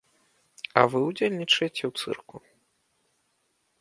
А вы ўдзельнічаеце ў цырку.